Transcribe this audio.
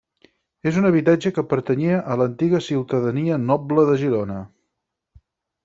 És un habitatge que pertanyia a l'antiga ciutadania noble de Girona.